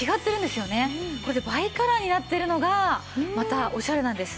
これでバイカラーになってるのがまたオシャレなんです。